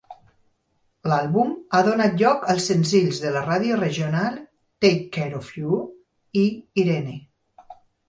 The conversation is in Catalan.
L'àlbum ha donat lloc als senzills de la ràdio regional "Take Care of You" i "Irene".